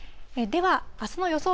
では、あすの予想